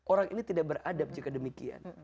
orang ini tidak beradab jika demikian